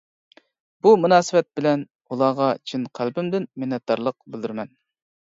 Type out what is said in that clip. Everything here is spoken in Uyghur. بۇ مۇناسىۋەت بىلە ئۇلارغا چىن قەلبىمدىن مىننەتدارلىق بىلدۈرىمەن.